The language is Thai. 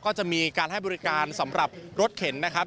ก็จะมีการให้บริการสำหรับรถเข็นนะครับ